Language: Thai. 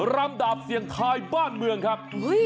รำดาบเสียงทายบ้านเมืองครับ